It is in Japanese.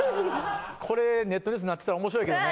これネットニュースになってたら面白いけどね。